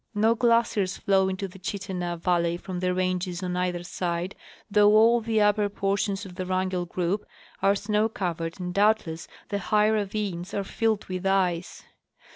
No glaciers flow into the Chittenah valley from the ranges on either side, though all the upper portions of the Wrangell group are snow covered and doubtless the high ravines are filled with ice.